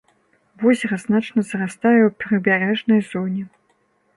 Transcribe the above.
Возера значна зарастае ў прыбярэжнай зоне.